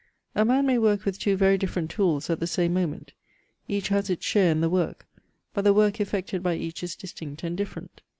A man may work with two very different tools at the same moment; each has its share in the work, but the work effected by each is distinct and different.